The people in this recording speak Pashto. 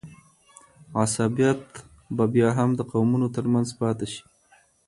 عصبیت به بیا هم د قومونو ترمنځ پاته سي.